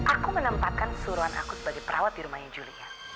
aku menempatkan suruhan aku sebagai perawat di rumahnya julia